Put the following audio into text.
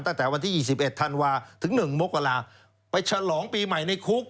ตั้งแต่วันที่๒๑ธันวาถึง๑มกราไปฉลองปีใหม่ในคุก